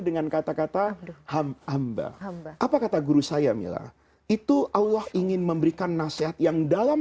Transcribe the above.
dengan kata kata hamba apa kata guru saya mila itu allah ingin memberikan nasihat yang dalam